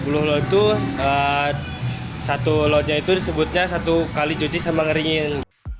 dua puluh lot itu satu lotnya itu disebutnya satu kali cuci sama ngeringin